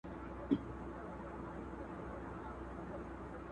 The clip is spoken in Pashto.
اروايي روغتيا د جسمي روغتيا په څېر مهمه ده.